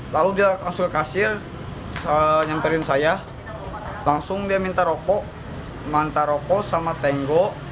lalu dia langsung ke kasir nyamperin saya langsung dia minta rokok manta rokok sama tenggo